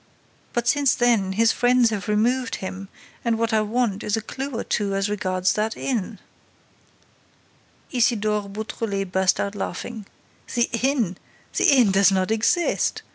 But, since then, his friends have removed him and what I want is a clue or two as regards that inn—" Isidore Beautrelet burst out laughing: "The inn! The inn does not exist!